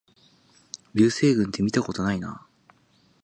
流星群ってみたことないな